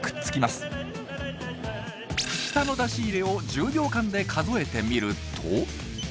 舌の出し入れを１０秒間で数えてみると。